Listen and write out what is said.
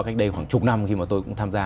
cách đây khoảng chục năm khi mà tôi cũng tham gia